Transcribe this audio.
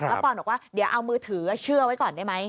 แล้วปอนบอกว่าเดี๋ยวเอามือถือเชื่อไว้ก่อนได้ไหม